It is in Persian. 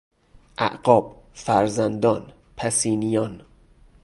اعقاب، فرزندان، پسینیان